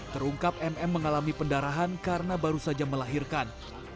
terungkap mm mengalami pendarahan karena baru saja melahirkan